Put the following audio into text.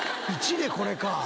１でこれか。